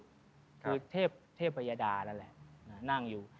ยกเทพประยะดานั่นแหละนั่งอยู่